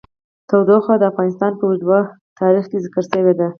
تودوخه د افغانستان په اوږده تاریخ کې ذکر شوی دی.